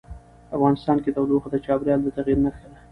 افغانستان کې تودوخه د چاپېریال د تغیر نښه ده.